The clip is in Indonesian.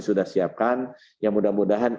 sudah siapkan yang mudah mudahan